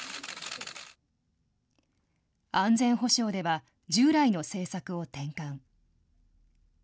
安全保障では、従来の政策を転換。